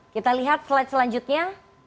kita lihat slide selanjutnya